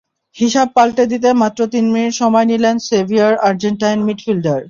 হিসাব পাল্টে দিতে মাত্র তিন মিনিট সময় নিলেন সেভিয়ার আর্জেন্টাইন মিডফিল্ডার।